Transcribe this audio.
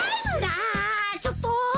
あちょっと。